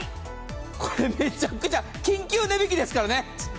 これ、めちゃくちゃ、緊急値引きですからね。